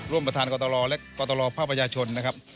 ร่วมประธานกตลอดและกตลอดภาพประชาชนนะครับ